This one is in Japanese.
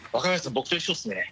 僕と一緒ですね。